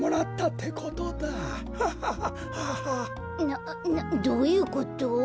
などういうこと？